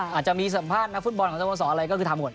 อาจจะมีสัมภาษณ์นักฟุตบอลของสโมสรอะไรก็คือทำหมด